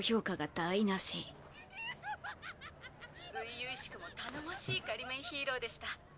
初々しくも頼もしい仮免ヒーローでした。